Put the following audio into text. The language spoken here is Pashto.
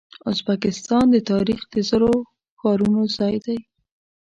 ازبکستان د تاریخ د زرو ښارونو ځای دی.